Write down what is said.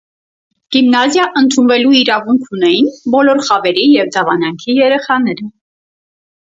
Գիմնազիա ընդունվելու իրավունք ունեին բոլոր խավերի և դավանանքի երեխաները։